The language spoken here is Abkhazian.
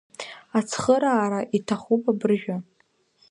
Ацхыраара иҭахуп абыржәы.